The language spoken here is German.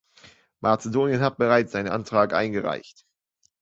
Mazedonien hat bereits seinen Antrag eingereicht.